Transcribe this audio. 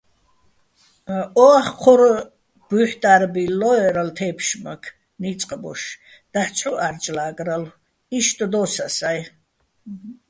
ო ახ ჴორ ჲუჲჰ̦ტა́რ ბილლო́ერალო̆ თე́ფშმაქ, ნიწყ ბოშ, დაჰ̦ ცო ჺარჭლა́გრალო̆, იშტ დო́ს ასა́ჲ.